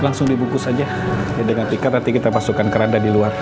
langsung dibungkus aja dengan tikar nanti kita pasukan kerada di luar